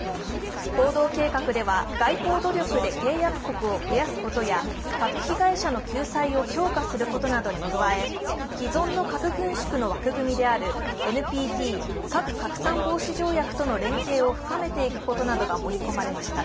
行動計画では外交努力で締約国を増やすことや核被害者の救済を強化することなどに加え、既存の核軍縮の枠組みであるＮＰＴ＝核拡散防止条約再検討会議との連携を深めていくことなどが盛り込まれました。